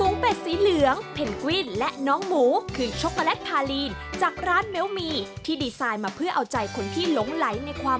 มีส่วนผสมของโกโก้ถึงร้อนและ๗๐